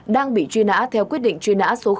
đang bị truy nã theo quyết định truy nã số hai